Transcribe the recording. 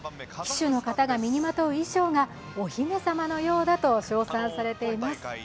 旗手の方が身にまとう衣装がお姫様のようだと称賛されています。